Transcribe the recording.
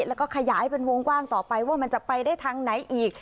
แล้วก็ขยายเป็นวงกว้างต่อไปว่ามันจะไปได้ทางไหนอีก